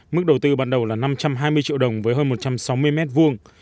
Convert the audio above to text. mức đầu tư ban đầu là năm trăm hai mươi triệu đồng với hơn một trăm sáu mươi mét vuông